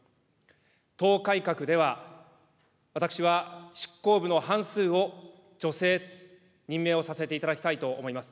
党改革では、私は執行部の半数を女性、任命をさせていただきたいと思います。